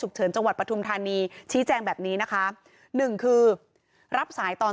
สุขเฉินจังหวัดประทุมธานีชี้แจ้งแบบนี้นะคะ๑คือรับสายตอน